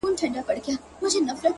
تا د حسنينو د ښکلا فلسفه څه لوستې ده!!